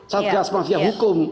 satgas mafia hukum